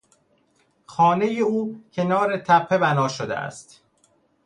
خانهی او کنار تپه بنا شده است.